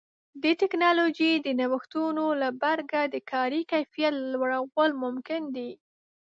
د ټکنالوژۍ د نوښتونو له برکه د کاري کیفیت لوړول ممکن دي.